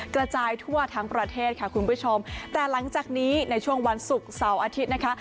กระจายทั่วทั้งประเทศค่ะคุณผู้ชมแต่หลังจากนี้ในช่วงวันศุกร์เสาร์อาทิตย์นะคะ